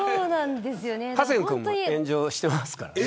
ハセン君も炎上してますからね。